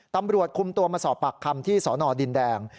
ตำรวจคุมตัวมาสอบปากคำที่สนดินแดง